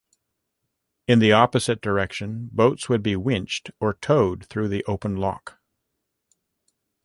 In the opposite direction boats would be winched or towed through the open lock.